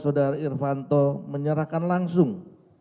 jatuha saja setengah perjalanan yang mudah